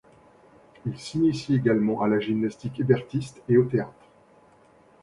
Ils s'initient également à la gymnastique hébertiste et au théâtre.